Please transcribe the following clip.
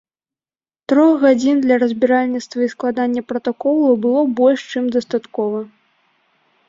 Трох гадзін для разбіральніцтва і складання пратаколу больш чым дастаткова.